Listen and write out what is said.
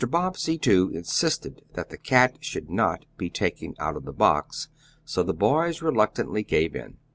Bobbsey, too, insisted that the cat should not be taken out of the box; so the boys reluctantly gave in.